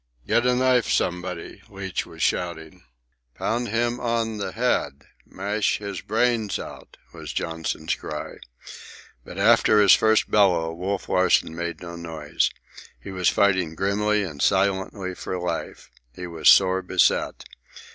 "Get a knife somebody!" Leach was shouting. "Pound him on the head! Mash his brains out!" was Johnson's cry. But after his first bellow, Wolf Larsen made no noise. He was fighting grimly and silently for life. He was sore beset.